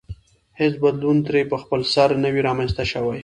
هېڅ بدلون ترې په خپلسر نه وي رامنځته شوی.